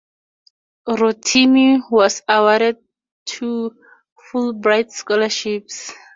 Rotimi was awarded two Fulbright Scholarships.